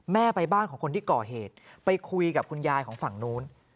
แม่ไปบ้านของคนที่ก่อเหตุไปคุยกับคุณยายของฝั่งนู้น